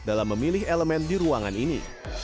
dalam memilih elemen di ruangan ini